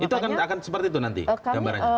itu akan seperti itu nanti gambarannya